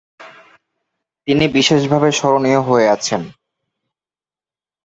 তিনি বিশেষভাবে স্মরণীয় হয়ে আছেন।